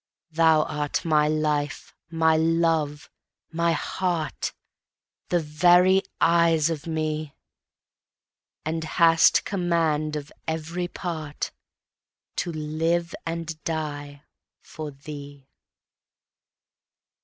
Thou art my life, my love, my heart, The very eyes of me, And hast command of every part, To live and die for thee.